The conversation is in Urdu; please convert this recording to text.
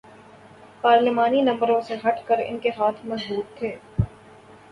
پارلیمانی نمبروں سے ہٹ کے ان کے ہاتھ مضبوط تھے۔